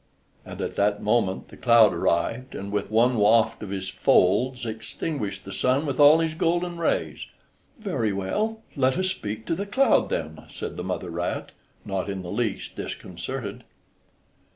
And at that moment the cloud arrived, and with one waft of his folds extinguished the sun with all his golden rays. "Very well; let us speak to the cloud, then," said the mother rat, not in the least disconcerted.